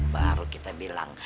baru kita bilang